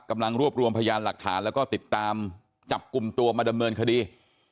กำลังรวบรวมพยานหลักฐานแล้วก็ติดตามจับกลุ่มตัวมาดำเนินคดี